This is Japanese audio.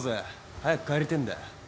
早く帰りてえんだよ。